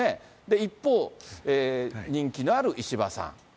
一方、人気のある石破さん。